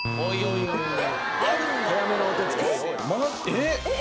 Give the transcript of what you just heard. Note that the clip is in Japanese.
えっ？